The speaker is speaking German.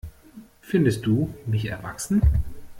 Findest du mich erwachsen?